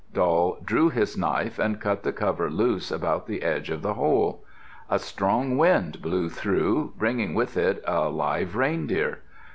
Doll drew his knife and cut the cover loose about the edge of the hole. A strong wind blew through, bringing with it a live reindeer.